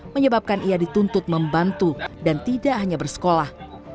menyebabkan ia dituntut membantu dan tidak hanya bersekolah